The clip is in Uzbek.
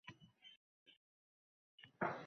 U chiqolmay yotgan achchiq jon edi.